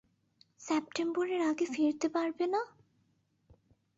সেপ্টেম্বরের আগে ফিরতে পারবে না।